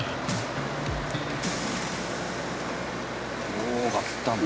おおガッタン。